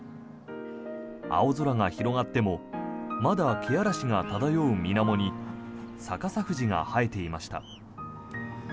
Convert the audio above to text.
青空が広がってもまだけあらしが漂うみなもに逆さ富士が映えていました。